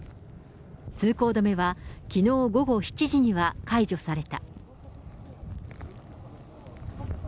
通行止めはきのう午後７時には解除された。